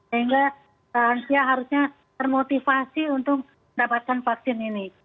sehingga lansia harusnya termotivasi untuk mendapatkan vaksin ini